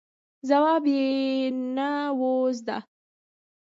ځواب یې نه و زده.